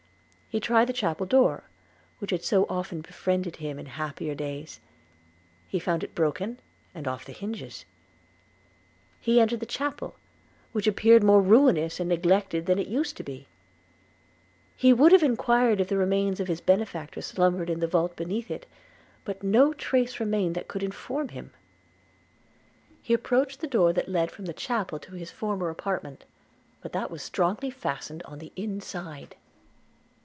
He tried the chapel door, which had so often befriended him in happier days; he found it broken, and off the hinges: – he entered the chapel, which appeared more ruinous and neglected than it used to be; he would have enquired if the remains of his benefactress slumbered in the vault beneath it, but no trace remained that could inform him: – he approached the door that led from the chapel to his former apartment, but that was strongly fastened on the inside.